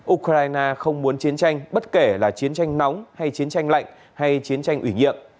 ukraine không muốn chiến tranh bất kể là chiến tranh nóng hay chiến tranh lạnh hay chiến tranh ủy nhiệm